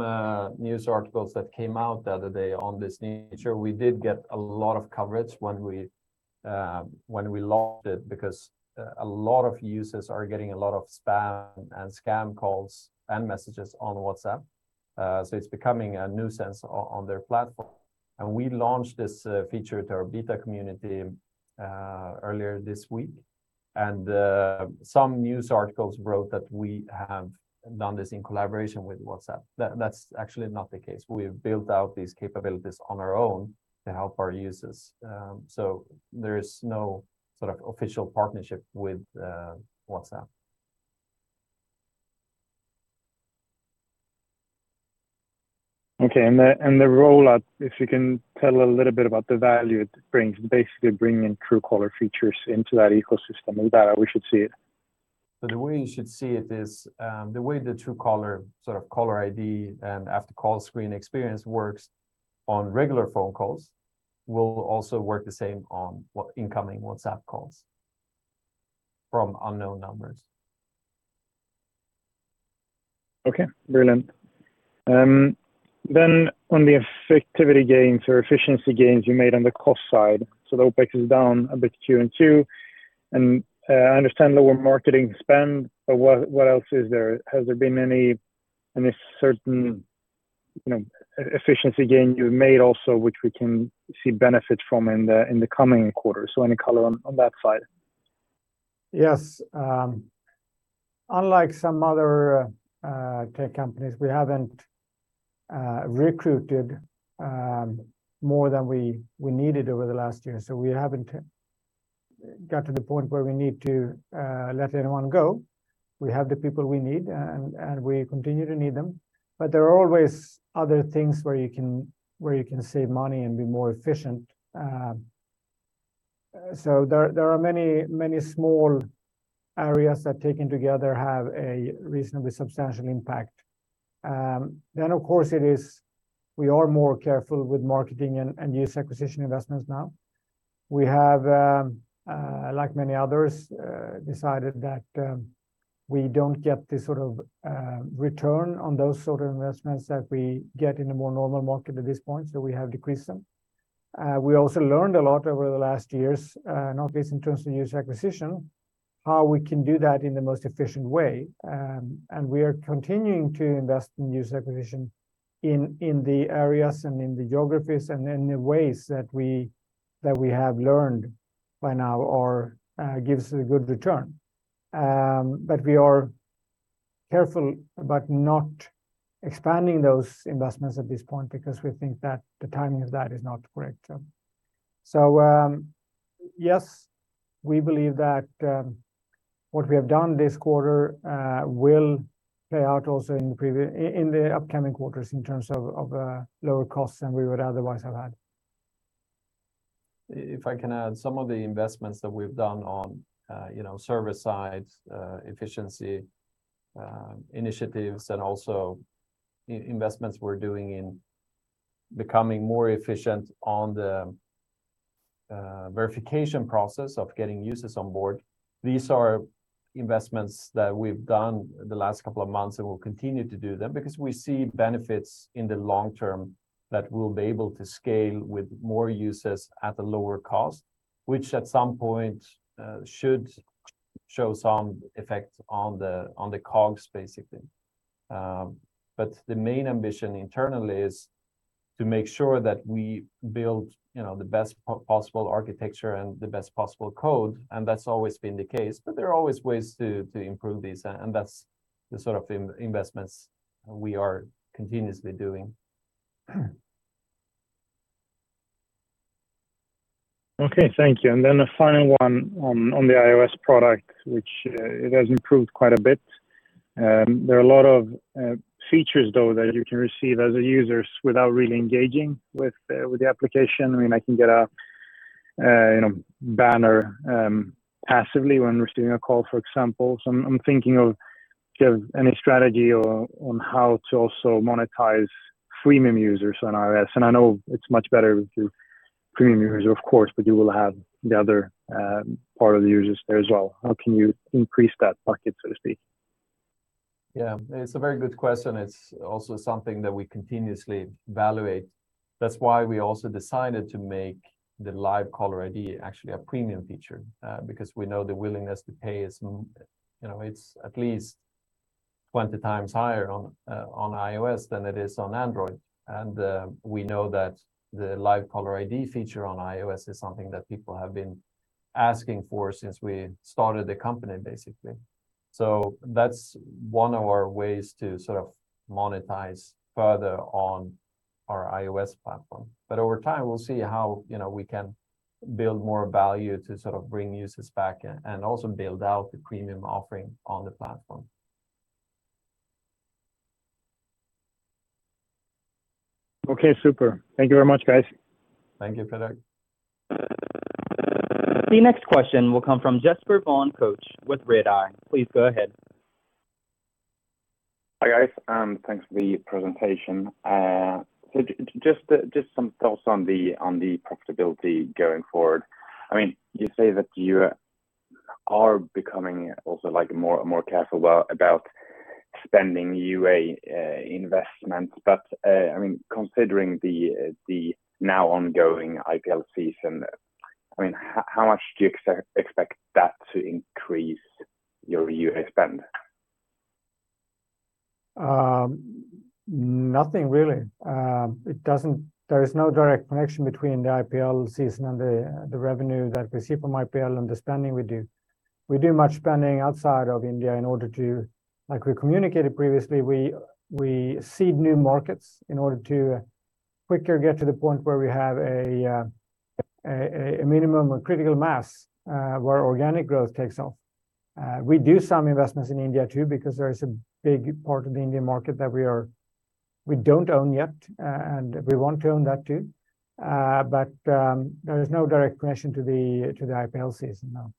news articles that came out the other day on this nature, we did get a lot of coverage when we launched it, because a lot of users are getting a lot of spam and scam calls and messages on WhatsApp. It's becoming a nuisance on their platform. We launched this feature to our beta community earlier this week. Some news articles wrote that we have done this in collaboration with WhatsApp. That's actually not the case. We've built out these capabilities on our own to help our users. There is no sort of official partnership with WhatsApp. Okay. The rollout, if you can tell a little bit about the value it brings, basically bringing Truecaller features into that ecosystem and how we should see it? The way you should see it is, the way the Truecaller sort of caller ID and after-call screen experience works on regular phone calls will also work the same on what incoming WhatsApp calls from unknown numbers. Okay. Brilliant. On the effectivity gains or efficiency gains you made on the cost side, the OpEx is down a bit Q2. I understand the word marketing spend, what else is there? Has there been any You know, e-efficiency gain you've made also which we can see benefit from in the coming quarters. Any color on that side? Yes. Unlike some other tech companies, we haven't recruited more than we needed over the last year, so we haven't got to the point where we need to let anyone go. We have the people we need and we continue to need them. There are always other things where you can, where you can save money and be more efficient. There are many, many small areas that, taken together, have a reasonably substantial impact. Of course, we are more careful with marketing and user acquisition investments now. We have, like many others, decided that we don't get the sort of return on those sort of investments that we get in a more normal market at this point, so we have decreased them. We also learned a lot over the last years, not least in terms of user acquisition, how we can do that in the most efficient way. And we are continuing to invest in user acquisition in the areas and in the geographies, and in the ways that we have learned by now or gives a good return. But we are careful about not expanding those investments at this point because we think that the timing of that is not correct. Yes, we believe that what we have done this quarter will play out also in the upcoming quarters in terms of lower costs than we would otherwise have had. If I can add, some of the investments that we've done on, you know, service sides, efficiency, initiatives, and also investments we're doing in becoming more efficient on the verification process of getting users on board. These are investments that we've done the last couple of months, and we'll continue to do them because we see benefits in the long term that we'll be able to scale with more users at a lower cost, which at some point should show some effect on the, on the COGS, basically. The main ambition internally is to make sure that we build, you know, the best possible architecture and the best possible code, and that's always been the case. There are always ways to improve this, and that's the sort of investments we are continuously doing. Okay. Thank you. The final one on the iOS product, which it has improved quite a bit. There are a lot of features, though, that you can receive as a user without really engaging with the application. I mean, I can get a, you know, banner, passively when receiving a call, for example. I'm thinking of, do you have any strategy or on how to also monetize freemium users on iOS? I know it's much better with your premium users, of course, but you will have the other part of the users there as well. How can you increase that market, so to speak? Yeah. It's a very good question. It's also something that we continuously evaluate. That's why we also decided to make the Live Caller ID actually a premium feature, because we know the willingness to pay is, you know, it's at least 20 times higher on iOS than it is on Android. We know that the Live Caller ID feature on iOS is something that people have been asking for since we started the company, basically. That's one of our ways to sort of monetize further on our iOS platform. Over time, we'll see how, you know, we can build more value to sort of bring users back and also build out the premium offering on the platform. Okay. Super. Thank you very much, guys. Thank you, Predrag. The next question will come from Jesper von Koch with Redeye. Please go ahead. Hi, guys. Thanks for the presentation. Just some thoughts on the profitability going forward. I mean, you say that you are becoming also, like, more careful about spending UA investments. I mean, considering the now ongoing IPL season, I mean, how much do you expect that to increase your UA spend? Nothing really. There is no direct connection between the IPL season and the revenue that we see from IPL and the spending we do. We do much spending outside of India in order to, like we communicated previously, we seed new markets in order to quicker get to the point where we have a minimum or critical mass where organic growth takes off. We do some investments in India too, because there is a big part of the Indian market that we don't own yet, and we want to own that too. There is no direct connection to the IPL season, no.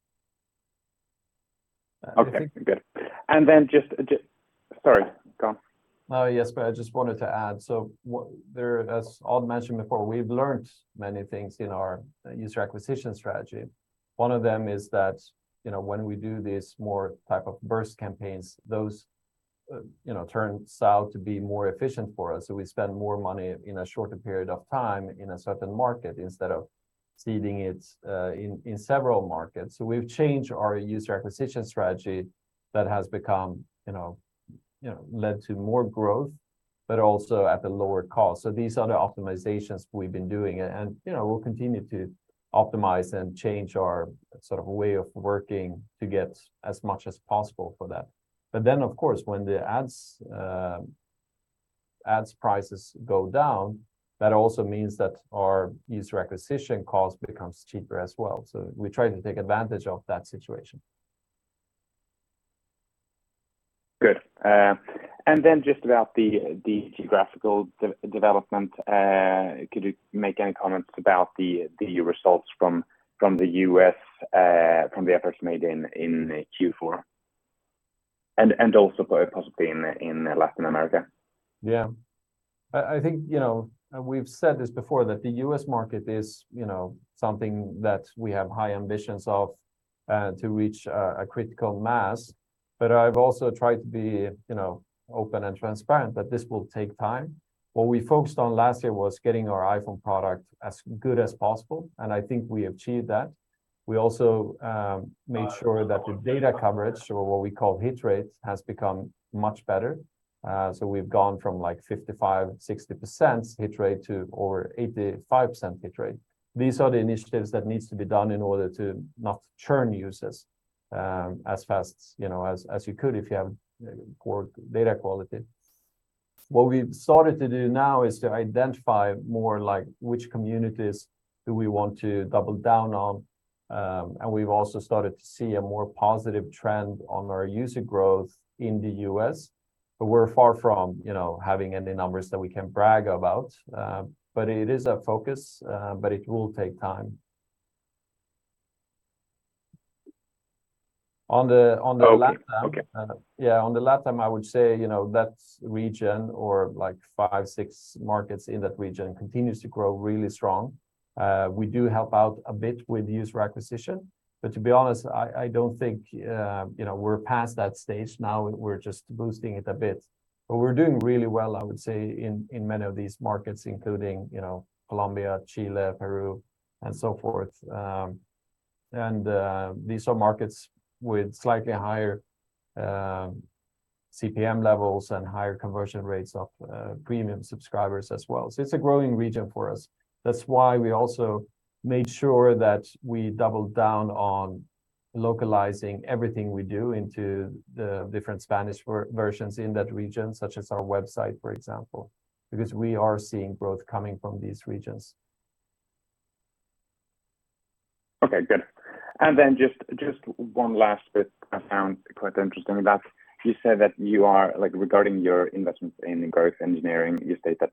Okay, good. Then just. Sorry. Go on. No. Yes, I just wanted to add. There, as Odd mentioned before, we've learned many things in our user acquisition strategy. One of them is that, you know, when we do these more type of burst campaigns, those, you know, turns out to be more efficient for us. We spend more money in a shorter period of time in a certain market instead of seeding it in several markets. We've changed our user acquisition strategy. That has become, you know, led to more growth, but also at a lower cost. These are the optimizations we've been doing and, you know, we'll continue to optimize and change our sort of way of working to get as much as possible for that. Of course, when the ads prices go down, that also means that our user acquisition cost becomes cheaper as well. We try to take advantage of that situation. Good. Just about the geographical development. Could you make any comments about the results from the U.S., from the efforts made in Q4 and also possibly in Latin America? Yeah. I think, you know, we've said this before, that the U.S. market is, you know, something that we have high ambitions of, to reach a critical mass. I've also tried to be, you know, open and transparent that this will take time. What we focused on last year was getting our iPhone product as good as possible, and I think we achieved that. We also made sure that the data coverage or what we call hit rates has become much better. We've gone from like 55%, 60% hit rate to over 85% hit rate. These are the initiatives that needs to be done in order to not churn users, as fast, you know, as you could if you have poor data quality. What we've started to do now is to identify more like which communities do we want to double down on. We've also started to see a more positive trend on our user growth in the U.S. We're far from, you know, having any numbers that we can brag about. It is a focus, but it will take time. On the, on the Latin- Okay. Okay. Yeah, on the Latin, I would say, you know, that region or like 5, 6 markets in that region continues to grow really strong. We do help out a bit with user acquisition, but to be honest, I don't think, you know, we're past that stage now. We're just boosting it a bit. We're doing really well, I would say, in many of these markets, including, you know, Colombia, Chile, Peru, and so forth. These are markets with slightly higher CPM levels and higher conversion rates of Premium subscribers as well. It's a growing region for us. That's why we also made sure that we doubled down on localizing everything we do into the different Spanish versions in that region, such as our website, for example, because we are seeing growth coming from these regions. Okay, good. Then just one last bit I found quite interesting you said that you are like regarding your investments in growth engineering, you state that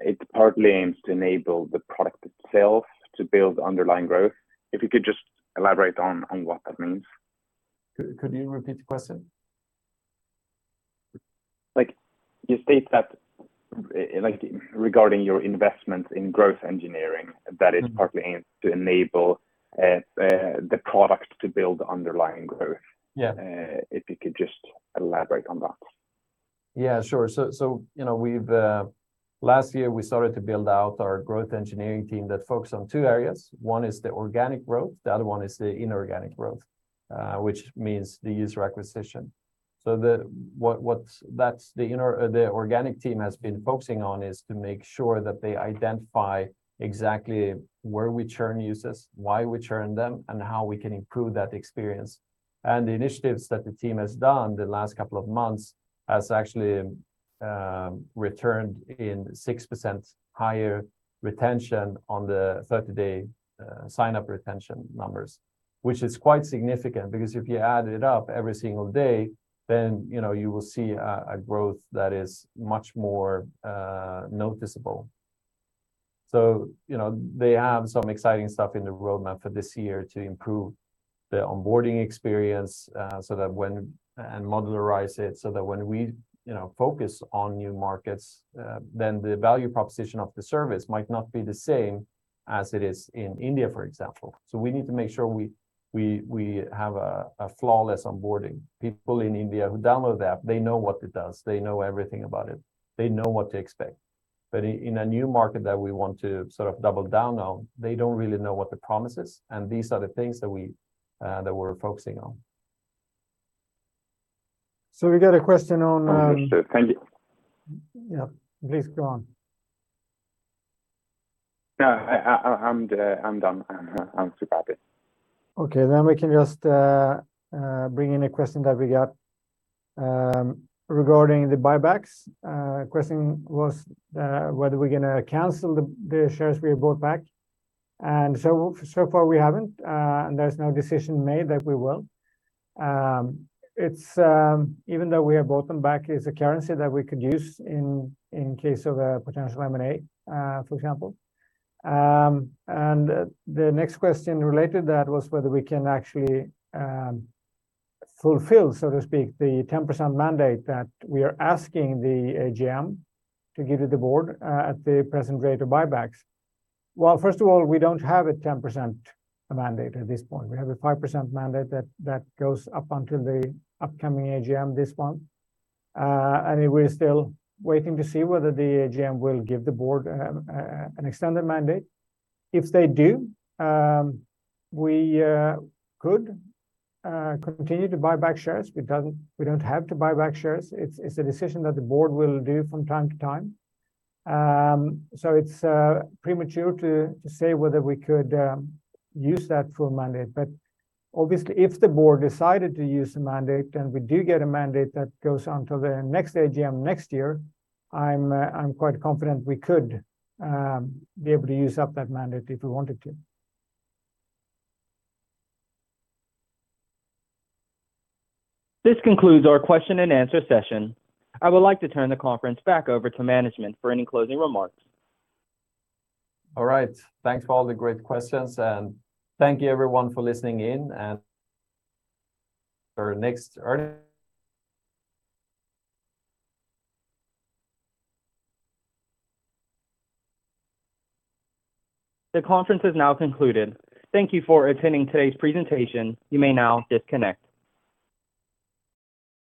it partly aims to enable the product itself to build underlying growth. If you could just elaborate on what that means. Could you repeat the question? Like you state that, like regarding your investment in growth engineering, that it partly aims to enable the product to build underlying growth. Yeah. If you could just elaborate on that. Yeah, sure. You know, we've last year we started to build out our growth engineering team that focus on two areas. One is the organic growth, the other one is the inorganic growth, which means the user acquisition. What the organic team has been focusing on is to make sure that they identify exactly where we churn users, why we churn them, and how we can improve that experience. The initiatives that the team has done the last couple of months has actually returned in 6% higher retention on the 30-day sign-up retention numbers, which is quite significant because if you add it up every single day, then, you know, you will see a growth that is much more noticeable. You know, they have some exciting stuff in the roadmap for this year to improve the onboarding experience, so that when and modularize it, so that when we, you know, focus on new markets, then the value proposition of the service might not be the same as it is in India, for example. We need to make sure we have a flawless onboarding. People in India who download the app, they know what it does. They know everything about it. They know what to expect. In a new market that we want to sort of double down on, they don't really know what the promise is, and these are the things that we, that we're focusing on. We got a question on. Thank you. Yeah, please go on. No, I'm done. I'm happy. Okay. We can just bring in a question that we got regarding the buybacks. Question was whether we're gonna cancel the shares we have bought back. So far we haven't, and there's no decision made that we will. It's even though we have bought them back, it's a currency that we could use in case of a potential M&A, for example. The next question related to that was whether we can actually fulfill, so to speak, the 10% mandate that we are asking the AGM to give to the board at the present rate of buybacks. First of all, we don't have a 10% mandate at this point. We have a 5% mandate that goes up until the upcoming AGM this month. We're still waiting to see whether the AGM will give the board an extended mandate. If they do, we could continue to buy back shares. We don't have to buy back shares. It's a decision that the board will do from time to time. It's premature to say whether we could use that full mandate. Obviously, if the board decided to use the mandate and we do get a mandate that goes on to the next AGM next year, I'm quite confident we could be able to use up that mandate if we wanted to. This concludes our question and answer session. I would like to turn the conference back over to management for any closing remarks. All right. Thanks for all the great questions, and thank you everyone for listening in. The conference is now concluded. Thank you for attending today's presentation. You may now disconnect.